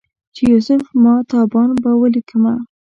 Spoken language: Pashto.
چې یوسف ماه تابان په ولیکمه